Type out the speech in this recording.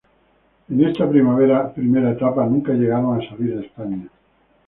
En esta primera etapa, nunca llegaron a salir de España.